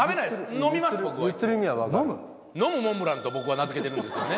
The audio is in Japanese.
「飲むモンブラン」と僕は名付けてるんですよね